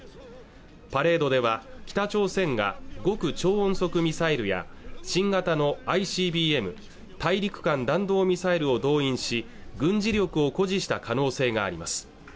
パレードでは北朝鮮が極超音速ミサイルや新型のＩＣＢＭ＝大陸間弾道ミサイルを動員し軍事力を誇示した可能性があります